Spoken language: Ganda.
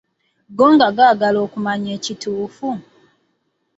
Go gaagala okumanya ekituufu.